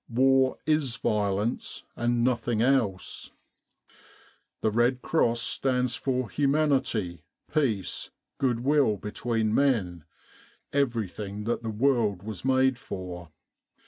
War is violence and nothing else. The Red Cross stands for humanity, peace, good will between men every thing that the world was made for.